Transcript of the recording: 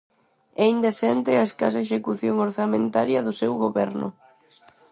É indecente a escasa execución orzamentaria do seu goberno.